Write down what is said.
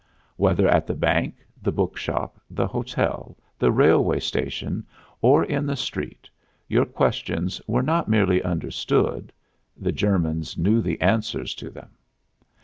Whether at the bank, the bookshop, the hotel, the railway station or in the street, your questions were not merely understood the Germans knew the answers to them.